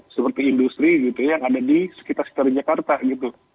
seperti industri gitu yang ada di sekitar sekitar jakarta gitu